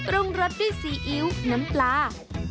รุ่งรสด้วยซีอิ๊วน้ำปลา